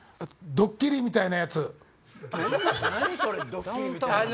ドッキリみたいな。